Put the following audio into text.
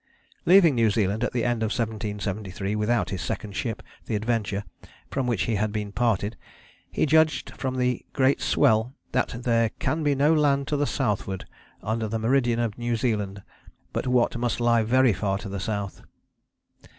Leaving New Zealand at the end of 1773 without his second ship, the Adventure, from which he had been parted, he judged from the great swell that "there can be no land to the southward, under the meridian of New Zealand, but what must lie very far to the south."